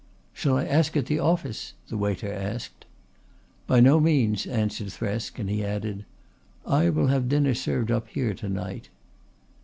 "Shall I ask at the office?" the waiter asked. "By no means," answered Thresk, and he added: "I will have dinner served up here to night."